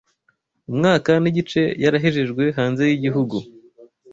umwaka n’igice yarahejejwe hanze y’igihugu